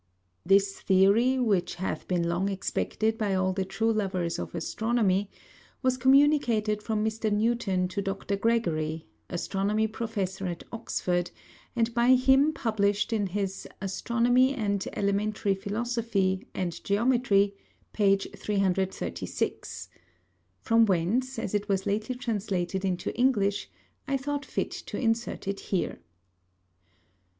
_ This Theory which hath been long expected by all the true Lovers of Astronomy, was communicated from Mr. Newton to Dr. Gregory, Astronomy Professor at Oxford, and by him published in his Astron. Elem. Philos. and Geomet. p. 336. From whence, as it was lately translated into English, I thought fit to insert it here.